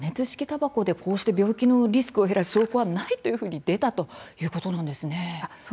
たばこでこうして病気のリスクを減らす証拠はないというふうに出たということなんですね。